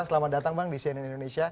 selamat datang bang di cnn indonesia